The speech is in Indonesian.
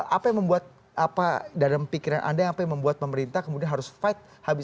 apa yang membuat apa dalam pikiran anda apa yang membuat pemerintah kemudian harus fight habis